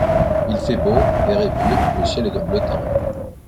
Il fait beau, l'air est pur ; le ciel est d'un bleu tendre ;